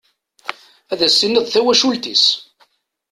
Ad as-tiniḍ d tawacult-is.